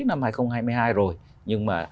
năm hai nghìn hai mươi hai rồi nhưng mà